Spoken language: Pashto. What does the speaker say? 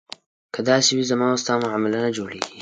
که داسې وي زما او ستا معامله نه جوړېږي.